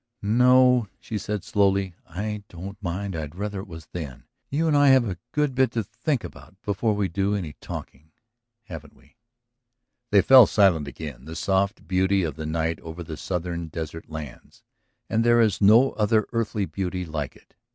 "No," she said slowly. "I don't mind. I'd rather it was then. You and I have a good bit to think about before we do any talking. Haven't we?" They fell silent again. The soft beauty of the night over the southern desert lands ... and there is no other earthly beauty like it